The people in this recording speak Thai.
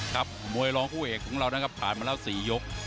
ครับมวยรองคู่เอกของเรานะครับผ่านมาแล้ว๔ยก